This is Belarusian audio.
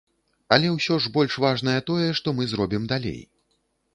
Але ўсё ж больш важнае тое, што мы зробім далей.